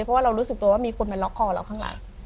เพราะว่าเรารู้สึกตัวว่ามีคนมาล็อกคอเราข้างหลัง